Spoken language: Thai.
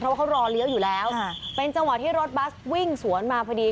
เพราะว่าเขารอเลี้ยวอยู่แล้วเป็นจังหวะที่รถบัสวิ่งสวนมาพอดี